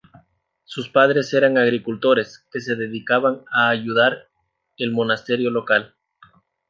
Sus padres eran agricultores que se dedicaban a ayudar el monasterio local.